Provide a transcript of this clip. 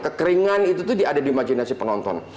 kekeringan itu tuh ada di imajinasi penonton